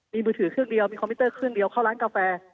มีมือถือเครื่องเดียวมีคอมพิวเตอร์เครื่องเดียวเข้าร้านกาแฟ